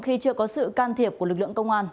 khi chưa có sự can thiệp của lực lượng công an